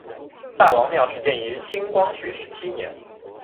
大王庙始建于清光绪十七年。